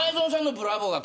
ブラボー。